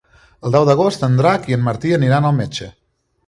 El deu d'agost en Drac i en Martí aniran al metge.